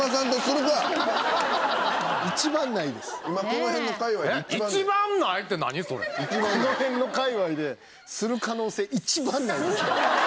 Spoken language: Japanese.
この辺の界隈でする可能性一番ないです。